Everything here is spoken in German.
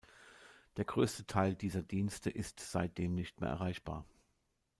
Der größte Teil dieser Dienste ist seitdem nicht mehr erreichbar.